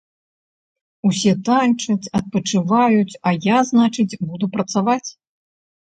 Усе танчаць, адпачываюць, а я, значыць, буду працаваць?